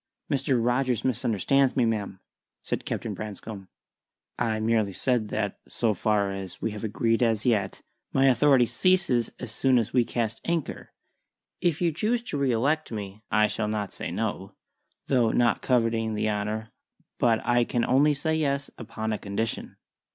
"Mr. Rogers misunderstands me, ma'am," said Captain Branscome. "I merely said that, so far as we have agreed as yet, My authority ceases an soon as we cast anchor. If you choose to re elect me, I shall not say 'No' though not coveting the honour; but I can only say 'Yes' upon a condition."